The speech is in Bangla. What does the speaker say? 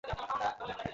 লিন্ডেন, কাজে ফিরে আয়!